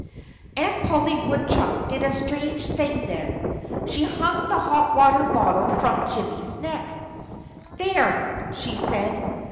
Aunt Polly Woodchuck did a strange thing then. She hung the hot water bottle from Jimmy's neck. "There!" she said.